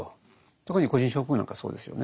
特に個人症候群なんかそうですよね。